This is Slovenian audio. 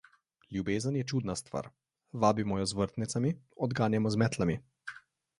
Ljubezen je čudna stvar: vabimo jo z vrtnicami, odganjamo z metlami.